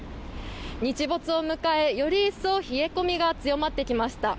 日没を迎えより一層冷え込みが強まってきました。